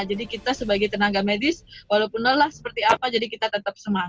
jadi kita sebagai tenaga medis walaupun lelah seperti apa jadi kita tetap semangat